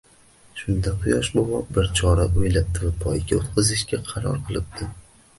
Shunda Quyosh bobo bir chora oʻylabdi va poyga oʻtkazishga qaror qilibdi